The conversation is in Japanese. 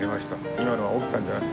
今のは起きたんじゃない。